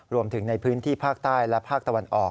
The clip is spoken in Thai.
รวมถึงในพื้นที่ภาคใต้และภาคตะวันออก